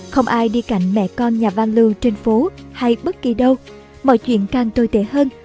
không ai đi cạnh mẹ con nhà van loo trên phố hay bất kỳ đâu mọi chuyện càng tồi tệ hơn